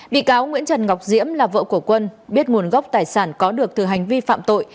bị cáo nguyễn trần ngọc diễm là vợ của quân biết nguồn gốc tài sản có được từ hành vi phạm tội